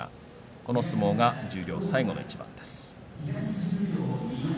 この相撲が十両最後の一番です。